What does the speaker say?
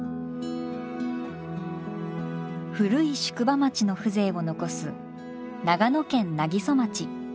古い宿場町の風情を残す長野県南木曽町。